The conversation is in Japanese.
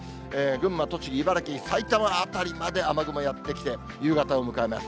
群馬、栃木、茨城、埼玉辺りまで、雨雲やって来て、夕方を迎えます。